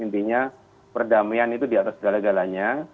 intinya perdamaian itu di atas segala galanya